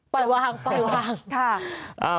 ปล่อยวาง